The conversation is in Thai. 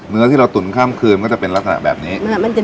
เนื้อที่เราตุ๋นข้ามคืนก็จะเป็นลักษณะแบบนี้